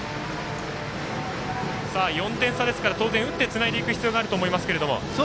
４点差ですから打ってつないでいく必要があると思いますが。